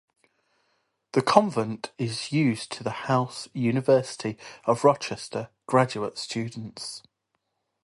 The convent is used to house University of Rochester graduate students.